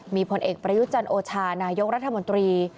มีผลเอกประยุจันโอชานายกรัฐมนตรี